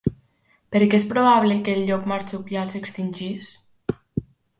Per què és probable que el llop marsupial s'extingís?